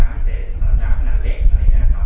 น้ำให้เสร็จน้ำขนาดเล็กอะไรแบบนี้นะครับ